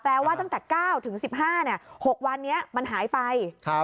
แปลว่าตั้งแต่๙๑๕มกราคม๖วันเนี่ยมันหายไป